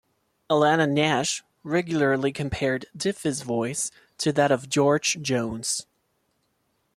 Alanna Nash regularly compared Diffie's voice to that of George Jones.